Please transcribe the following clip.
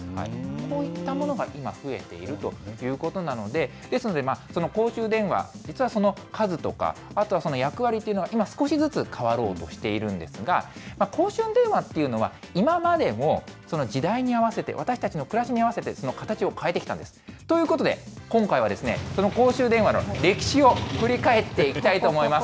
こういったものが今、増えているということなので、ですので公衆電話、実はその数とか、あとは役割というのが、今、少しずつ変わろうとしているんですが、公衆電話っていうのは、今までも時代に合わせて、私たちの暮らしに合わせて、その形を変えてきたんです。ということで、今回はその公衆電話の歴史を振り返っていきたいと思います。